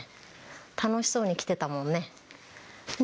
楽しそうに着てたもんね。